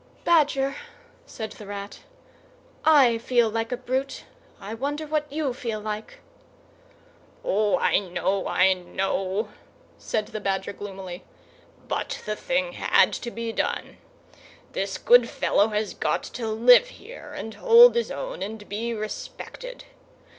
"Badger," said the Rat, "I feel like a brute; I wonder what you feel like?" "O, I know, I know," said the Badger gloomily. "But the thing had to be done. This good fellow has got to live here, and hold his own, and be respected.